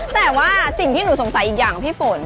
แต่ว่าสิ่งที่หนูสงสัยอีกอย่างพี่ฝน